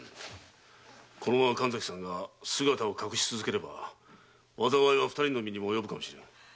このまま神崎さんが姿を隠し続ければ災いは二人の身にも及ぶかもしれぬ。